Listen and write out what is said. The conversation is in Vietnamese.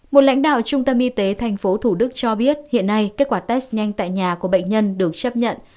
một lãnh đạo trung tâm y tế tp thủ đức cho biết hiện nay kết quả test nhanh tại nhà của bệnh nhân được chấp nhận